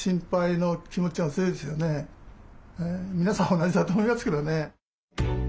同じだと思いますけどね。